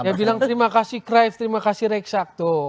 dia bilang terima kasih cruyff terima kasih rexacto